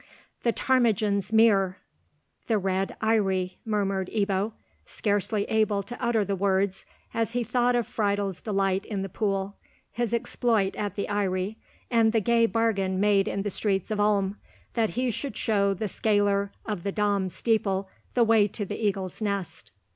"The Ptarmigan's Mere, the Red Eyrie," murmured Ebbo, scarcely able to utter the words as he thought of Friedel's delight in the pool, his exploit at the eyrie, and the gay bargain made in the streets of Ulm, that he should show the scaler of the Dom steeple the way to the eagle's nest.